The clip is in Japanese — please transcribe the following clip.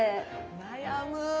悩む。